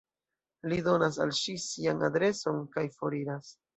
Li donas al ŝi sian adreson kaj foriras.